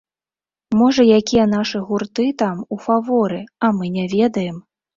Можа якія нашы гурты там у фаворы, а мы не ведаем?